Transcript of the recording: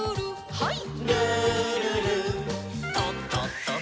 はい。